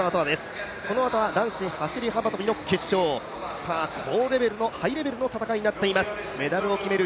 このあとは男子走幅跳の決勝、ハイレベルの戦いになっています、メダルを決める